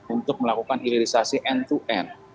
untuk melakukan hilirisasi end to end